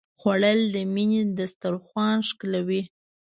خوړل د مینې دسترخوان ښکلوي